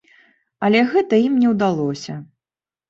Але гэта ім не ўдалося.